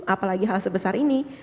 apalagi hal sebesar ini